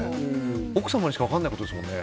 奥様にしか分からないことですもんね。